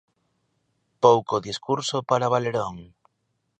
Pouco discurso para Valerón.